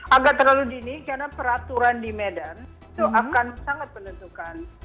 agak terlalu dini karena peraturan di medan itu akan sangat menentukan